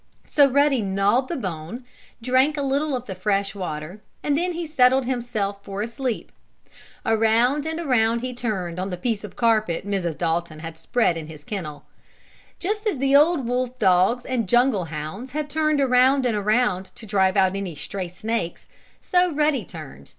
So Ruddy gnawed the bone, drank a little of the fresh water and then he settled himself for a sleep. Around and around he turned on the piece of carpet Mrs. Dalton had spread in his kennel. Just as the old wolf dogs and jungle hounds had turned around and around to drive out any stray snakes, so Ruddy turned.